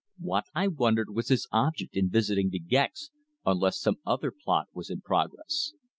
What, I wondered, was his object in visiting De Gex unless some other plot was in progress?